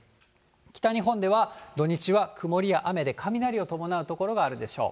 北日本では土日は曇りや雨で、雷を伴う所があるでしょう。